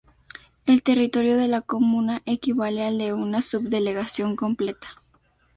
El territorio de la comuna equivale al de una subdelegación completa.